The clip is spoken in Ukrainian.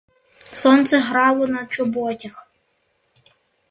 Сонце грало на чоботях.